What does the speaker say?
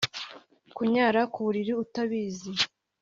kunyara kuburiri utabizi